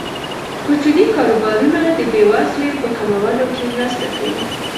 کوچني کاروبارونه د بې وزلۍ په کمولو کې مرسته کوي.